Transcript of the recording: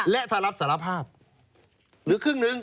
และถ้ารับสารภาพหรือครึ่งหนึ่ง